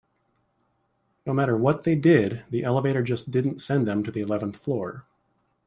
No matter what they did, the elevator just didn't send them to the eleventh floor.